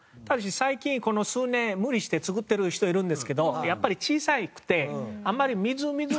ただし最近この数年無理して作ってる人いるんですけどやっぱり小さくて。